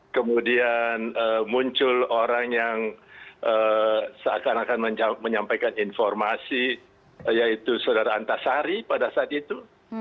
kemudian muncul orang yang seakan akan menyampaikan informasi yaitu saudara antasari pada saat itu